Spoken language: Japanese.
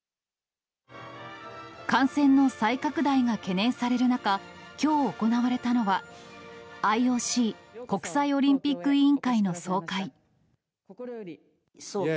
感染の再拡大が懸念される中、きょう行われたのは、ＩＯＣ・国際オリンピック委員会の総会。